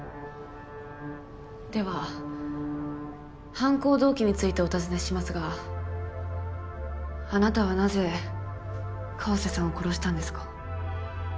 では犯行動機についてお尋ねしますがあなたはなぜ川瀬さんを殺したんですか？